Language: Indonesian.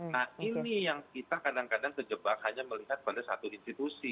nah ini yang kita kadang kadang terjebak hanya melihat pada satu institusi